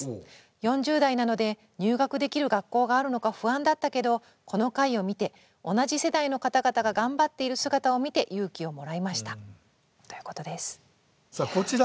４０代なので入学できる学校があるのか不安だったけどこの回を見て同じ世代の方々が頑張っている姿を見て勇気をもらいました」ということです。